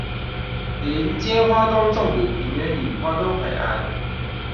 連接花東縱谷平原與花東海岸